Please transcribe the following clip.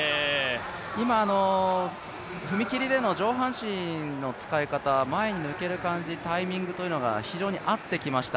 今の踏み切りでの上半身の使い方、前に抜ける感じ、タイミングというのが非常に合ってきました。